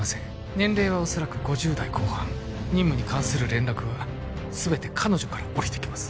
年齢は恐らく５０代後半任務に関する連絡は全て彼女から下りてきます